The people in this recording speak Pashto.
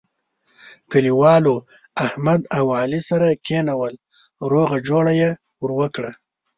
کلیوالو احمد او علي سره کېنول روغه جوړه یې ور وکړه.